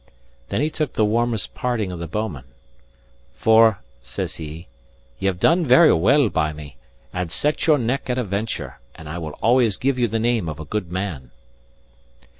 Then he took the warmest parting of the bouman. "For," says he, "ye have done very well by me, and set your neck at a venture, and I will always give you the name of a good man."